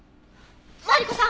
マリコさん！